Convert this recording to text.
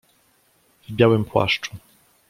"W białym płaszczu."